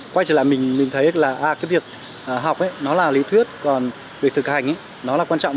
quay trở lại mình thấy là à cái việc học nó là lý thuyết còn việc thực hành nó là quan trọng